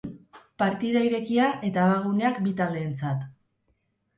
Partida irekia eta abaguneak bi taldeentzat.